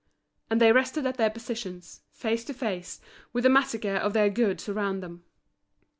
And they rested at their positions, face to face, with the massacre of their goods around them.